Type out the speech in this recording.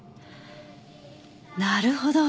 なるほど。